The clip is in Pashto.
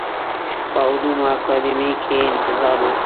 په علومو اکاډمۍ کې یې انتظار و.